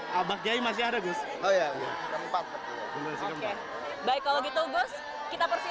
bapak kiai masih ada gus oh ya keempat baik kalau gitu gus kita persilahkan untuk lanjut aktivitasnya